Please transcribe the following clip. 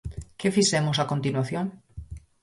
¿Que fixemos a continuación?